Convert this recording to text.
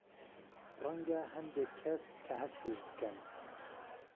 رهنگه ههندێک کهس که ههستیش بکهن